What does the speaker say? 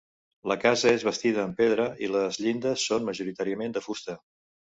La casa és bastida en pedra i les llindes són majoritàriament de fusta.